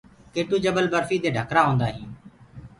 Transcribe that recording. ڪي ٽو جبل برفيٚ دي ڍڪرآ هوندآ هينٚ۔